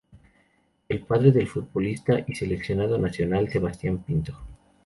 Es padre del futbolista y seleccionado nacional Sebastián Pinto.